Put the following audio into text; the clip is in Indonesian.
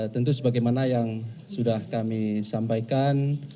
tentu sebagaimana yang sudah kami sampaikan